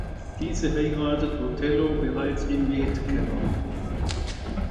Diese heiratet Othello bereits im Methkeller.